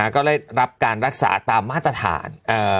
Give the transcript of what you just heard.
ก็ได้รับการรักษาตามมาตรฐาน